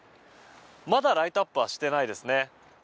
まだライトアップはしてないですね。